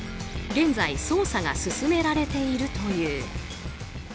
現在捜査が進められているという。